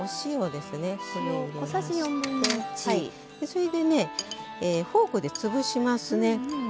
それでねフォークで潰しますね。